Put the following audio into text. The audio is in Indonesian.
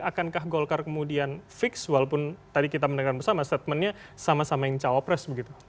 akankah golkar kemudian fix walaupun tadi kita mendengar bersama statementnya sama sama yang cawapres begitu